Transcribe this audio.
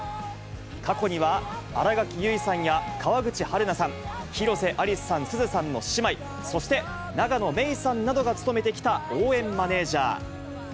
過去には、新垣結衣さんや、川口春奈さん、広瀬アリスさん・すずさんの姉妹、そして、永野芽郁さんなどが務めてきた応援マネージャー。